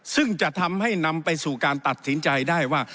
ซึ่งจะทำให้นำไปสู่การตัดสินใจได้ว่า